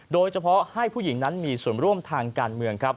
โดยเฉพาะให้ผู้หญิงนั้นมีส่วนร่วมทางการเมืองครับ